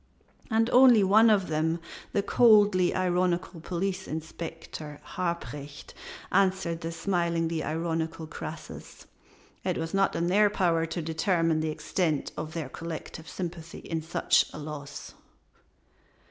And only one of them, the coldly ironical Police Inspector Harprecht, answered the smilingly ironical Croesus: "It was not in their power to determine the extent of their collective sympathy in such a loss."